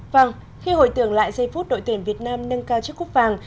vâng khi hồi tưởng lại giây phút đội tuyển việt nam nâng cao chiếc cúp vàng